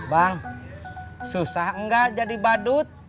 bang susah enggak jadi badut